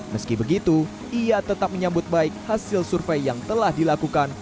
meski begitu ia tetap menyambut baik hasil survei yang telah dilakukan